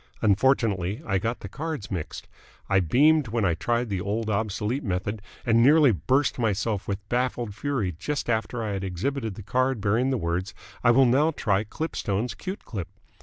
Unfortunately I got the cards mixed. I beamed when I tried the old, obsolete method and nearly burst myself with baffled fury just after I had exhibited the card bearing the words 'I will now try Klipstone's Kute Klip.'